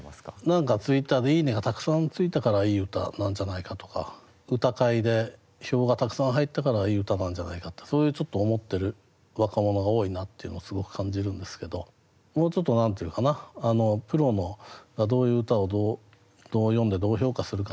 何かＴｗｉｔｔｅｒで「いいね」がたくさんついたからいい歌なんじゃないかとか歌会で票がたくさん入ったからいい歌なんじゃないかってそういうちょっと思ってる若者が多いなっていうのはすごく感じるんですけどもうちょっと何て言うかなプロがどういう歌をどう読んでどう評価するかっていうね